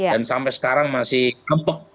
dan sampai sekarang masih kembang